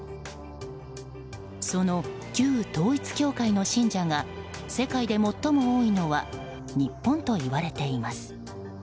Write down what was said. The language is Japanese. その旧統一教会の信者が世界で最も多いのは日本といわれています。